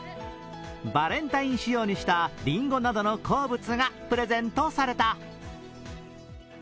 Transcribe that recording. バレンタイン仕様にしたりんごなどの好物がプレゼントされた。